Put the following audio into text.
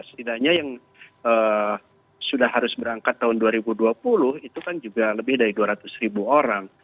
setidaknya yang sudah harus berangkat tahun dua ribu dua puluh itu kan juga lebih dari dua ratus ribu orang